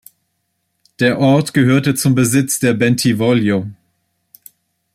Der Ort gehörte zum Besitz der Bentivoglio.